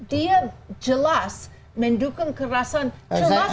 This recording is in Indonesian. dia jelas mendukung kekerasan